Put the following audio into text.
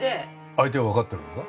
相手はわかってるのか？